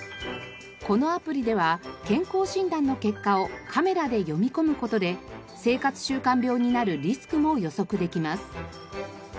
このアプリでは健康診断の結果をカメラで読み込む事で生活習慣病になるリスクも予測できます。